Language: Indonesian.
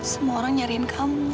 semua orang nyariin kamu